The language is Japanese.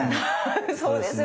そうですね。